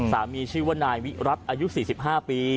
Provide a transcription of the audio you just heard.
สามีชื่อว่านายวิรัติอายุ๔๕ปี